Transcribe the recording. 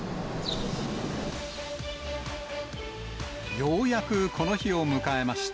ようやくこの日を迎えました。